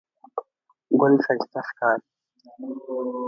ګل ښایسته ښکاري.